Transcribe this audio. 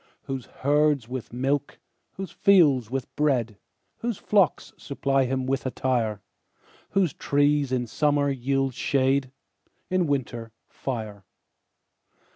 Whose herds with milk, whose fields with bread, Whose flocks supply him with attire; Whose trees in summer yield shade, In winter, fire.